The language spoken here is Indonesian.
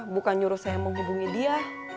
bukan nyuruh saya mau hubungin dia